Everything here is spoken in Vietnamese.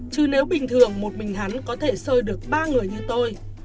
chứ nếu bình thường một bình hắn có thể sơi được ba người như tôi